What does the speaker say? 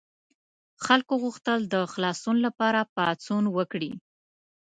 خلکو غوښتل د خلاصون لپاره پاڅون وکړي.